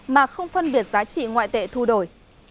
mà không phân biệt giá trị ngoại tệ thu đổi